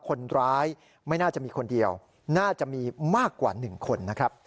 คนร้ายไม่น่าจะมีคนเดียวน่าจะมีมากกว่า๑คนนะครับ